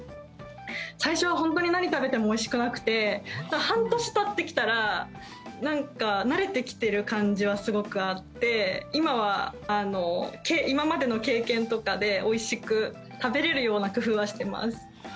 最初は本当に何食べてもおいしくなくて半年たってきたらなんか慣れてきてる感じはすごくあって今は今までの経験とかでおいしく食べれるような工夫はしています。